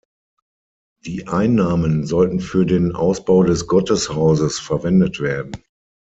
Die Einnahmen sollten für den Ausbau des Gotteshauses verwendet werden.